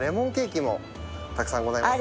たくさんございます。